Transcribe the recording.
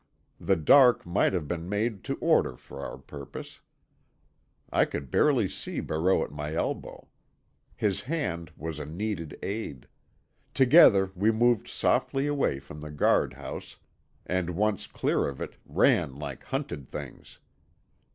The dark might have been made to order for our purpose. I could barely see Barreau at my elbow. His hand was a needed aid. Together we moved softly away from the guardhouse, and, once clear of it, ran like hunted things.